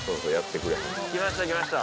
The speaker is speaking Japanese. ・きましたきました。